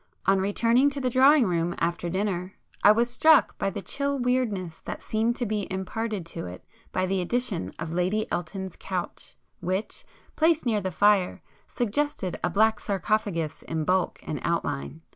On returning to the drawing room after dinner I was struck by the chill weirdness that seemed to be imparted to it by the addition of Lady Elton's couch, which, placed near the fire, suggested a black sarcophagus in bulk and outline.